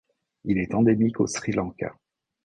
Il est endémique au Sri Lanka.